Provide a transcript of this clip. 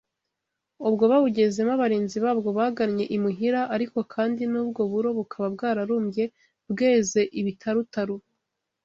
Ubwo bawugezemo abarinzi babwo bagannye imuhira ariko kandi n’ubwo buro bukaba bwararumbye bweze ibitarutaru